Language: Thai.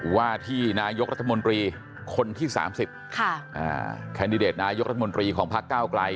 ว่าที่นายกรัฐมนตรีคนที่๓๐แคนดิเดตนายกรัฐมนตรีของพักเก้าไกล